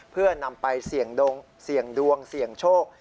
เพื่อนำไปเสี่ยงดวงเสี่ยงโชค